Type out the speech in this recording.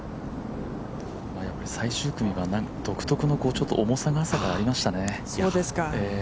最終組は独特の重さが朝からありましたね。